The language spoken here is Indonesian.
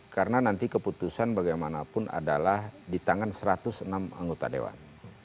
karena nanti keputusan bagaimanapun adalah di tangan satu ratus enam anggota dewan